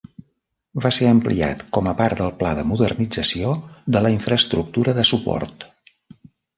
Va ser ampliat com a part del pla de modernització de la infraestructura de suport.